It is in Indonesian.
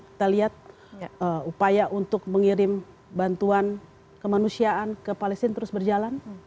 kita lihat upaya untuk mengirim bantuan kemanusiaan ke palestina terus berjalan